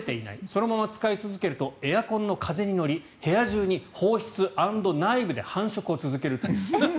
そのまま使い続けるとエアコンの風に乗り部屋中に放出アンド内部で繁殖を続けるという。